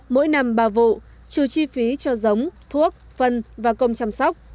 mỗi năm ba vụ trừ chi phí cho giống thuốc phân và công chăm sóc